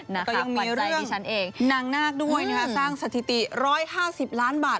แล้วก็ยังมีเรื่องหนังนาคสร้างสถิติ๑๕๐ล้านบาท